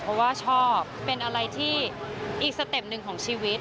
เพราะว่าชอบเป็นอะไรที่อีกสเต็ปหนึ่งของชีวิต